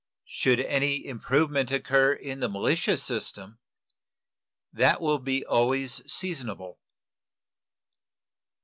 Should any improvement occur in the militia system, that will be always seasonable.